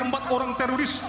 empat orang teroris